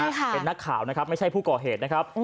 เป็นนักข่าวนะครับไม่ใช่ผู้ก่อเหตุนะครับ